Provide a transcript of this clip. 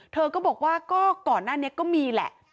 เธอก็บอกว่าก็ก่อนหน้านี้ก็มีแหละ